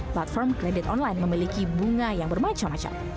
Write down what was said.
platform kredit online memiliki bunga yang bermacam macam